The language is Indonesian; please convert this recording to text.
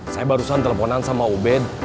saya barusan teleponan sama ubed